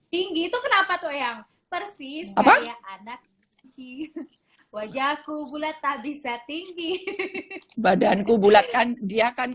tinggi itu kenapa tuh yang persis apa wajahku bulat tak bisa tinggi badanku bulat kan dia kan